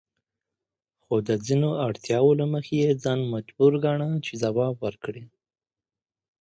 خو د ځینو اړتیاوو له مخې یې ځان مجبور ګاڼه چې ځواب ورکړي.